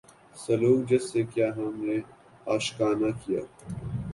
سلوک جس سے کیا ہم نے عاشقانہ کیا